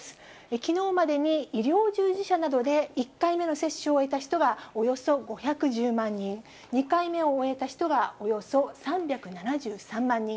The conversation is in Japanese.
きのうまでに医療従事者などで１回目の接種を終えた人がおよそ５１０万人、２回目を終えた人がおよそ３７３万人。